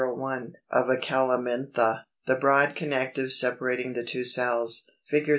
Of a Calamintha: the broad connective separating the two cells. Fig.